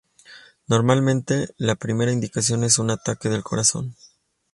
Normalmente la primera indicación es un ataque de corazón.